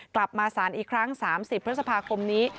กลับมาสารอีกครั้ง๓๐พฤษภาคมนี้